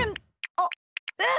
あっえっ！？